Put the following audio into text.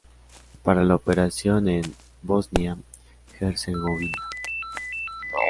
Para la operación en Bosnia-Herzegovina.